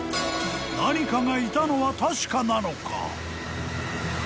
［何かがいたのは確かなのか？］